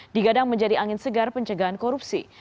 digadang menjadi angin segar pencegahan korupsi